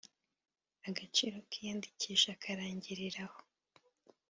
Agaciro k iyandikisha karangiriraho